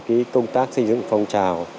cái công tác xây dựng phong trào